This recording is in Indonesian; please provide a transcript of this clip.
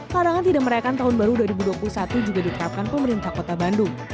larangan tidak merayakan tahun baru dua ribu dua puluh satu juga diterapkan pemerintah kota bandung